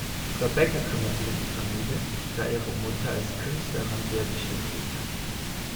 Rebecka kümmert sich um die Familie, da ihre Mutter als Künstlerin sehr beschäftigt ist.